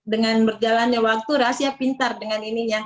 dengan berjalannya waktu rahasia pintar dengan ininya